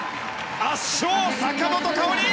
圧勝、坂本花織！